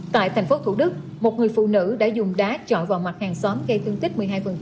tại thành phố thủ đức một người phụ nữ đã dùng đá chọn vào mặt hàng xóm gây thương tích một mươi hai